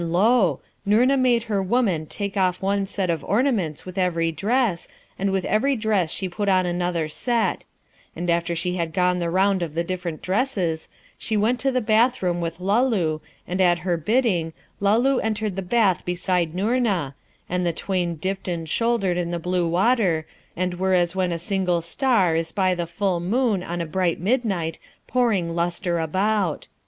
Noorna, made her women take off one set of ornaments with every dress, and with every dress she put on another set; and after she had gone the round of the different dresses, she went to the bathroom with Luloo, and at her bidding Luloo entered the bath beside Noorna, and the twain dipped and shouldered in the blue water, and were as when a single star is by the full moon on a bright midnight pouring lustre about.